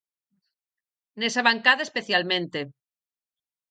Nesa bancada especialmente.